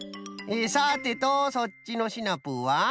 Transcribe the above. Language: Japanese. さてとそっちのシナプーは？